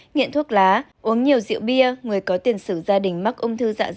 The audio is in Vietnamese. nghiện thuốc lá uống nhiều rượu bia người có tiền sử gia đình mắc ung thư dạ dày